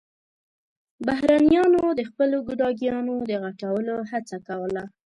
بهرنيانو د خپلو ګوډاګيانو د غټولو هڅه کوله.